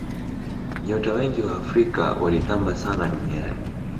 nyota wengi wa afrika walitamba sana duniani